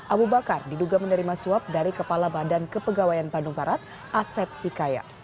abu bakar diduga menerima suap dari kepala badan kepegawaian bandung barat asep hikaya